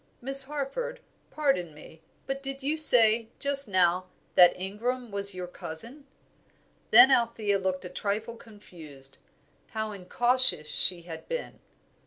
"Miss Harford, pardon me, but did you say, just now, that Ingram was your cousin." Then Althea looked a trifle confused. How incautious she had been!